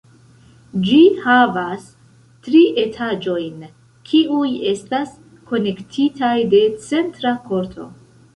Ĝi havas tri etaĝojn, kiuj estas konektitaj de centra korto.